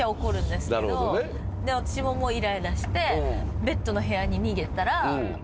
で私もイライラしてベッドの部屋に逃げたら。